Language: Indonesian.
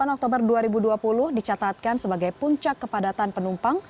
delapan oktober dua ribu dua puluh dicatatkan sebagai puncak kepadatan penumpang